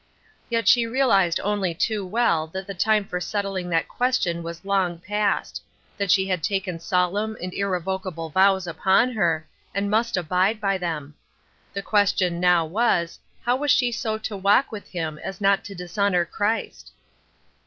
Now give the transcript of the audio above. Yet she realized only too well that the time for settling that question was long past ; that she had taken solemn and irrevocable vows upon her, and must abide by them. The ques tion now was. How was she so to walk with him as not to dishonor Christ?